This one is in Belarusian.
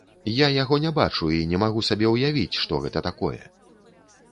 Я яго не бачу і не магу сабе ўявіць, што гэта такое.